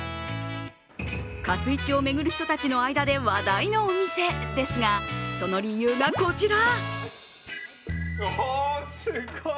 かすいちを巡る人たちの間で話題のお店ですが、その理由がこちら。